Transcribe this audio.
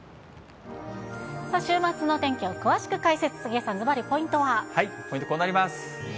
週末のお天気を詳しく解説、ポイント、こうなります。